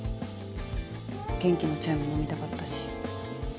元気のチャイも飲みたかったし。